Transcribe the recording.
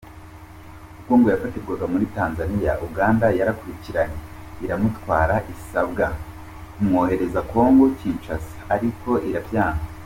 Ubwo ngo yafatirwaga muri Tanzania, Uganda yarakurikiranye iramutwara, isabwa kumwoherereza Congo Kinshasa ariko irabyanga.